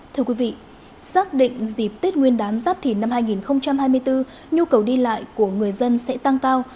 thưa quý vị xác định dịp tết nguyên đán giáp thìn năm hai nghìn hai mươi bốn nhu cầu đi lại của người dân sẽ tăng cao